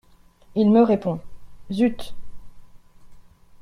Il me répond : Zut !…